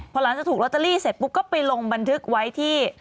พอหลังจากถูกลอตเตอรี่เสร็จปุ๊บก็ไปลงบันทึกไว้ที่